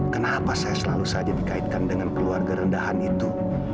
kenapa saya selalu saja dikaitkan dengan keluarga rendahan itu